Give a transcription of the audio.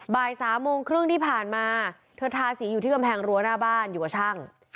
บ่าย๓โมงครึ่งที่ผ่านมาเธอทาสีอยู่ที่กำแพงรั้วหน้าบ้านอยู่กับช่าง